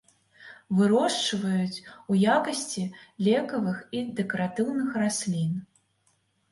Вырошчваюць ў якасці лекавых і дэкаратыўных раслін.